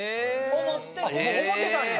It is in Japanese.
もう思ってたんや？